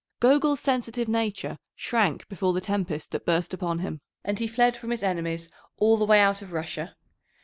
Gogol's sensitive nature shrank before the tempest that burst upon him, and he fled from his enemies all the way out of Russia.